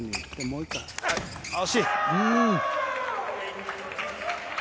惜しい。